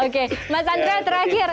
oke mas andrea terakhir